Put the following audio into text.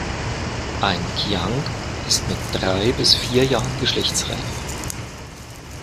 Ein Kiang ist mit drei bis vier Jahren geschlechtsreif.